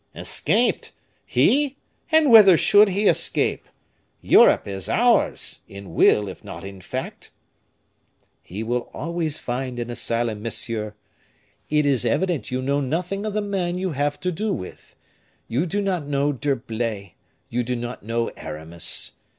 "Escaped! he! and whither should he escape? Europe is ours, in will, if not in fact." "He will always find an asylum, monsieur. It is evident you know nothing of the man you have to do with. You do not know D'Herblay; you do not know Aramis.